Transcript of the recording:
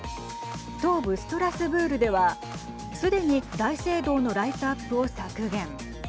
東部ストラスブールではすでに大聖堂のライトアップを削減。